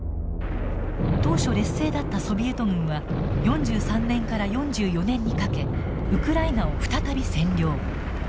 当初劣勢だったソビエト軍は４３年から４４年にかけウクライナを再び占領。